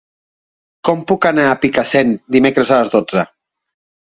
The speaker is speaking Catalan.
Com puc anar a Picassent dimecres a les dotze?